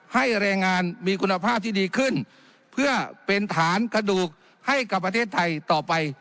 ให้แรงงานมีคุณภาพที่ดีขึ้นเพื่อเป็นฐานกระดูกให้กับประเทศไทยต่อไป